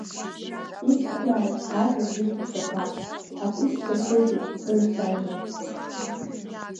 Иҵхәрааит асаӡ ӡыхь-ԥшьақәа, акәицқәа рхылҵит рымцажәла.